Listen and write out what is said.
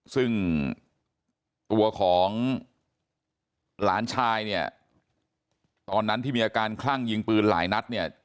ซึ่งตัวของหลานชายเนี่ยตอนนั้นที่มีอาการคลั่งยิงปืนหลายนัดเนี่ย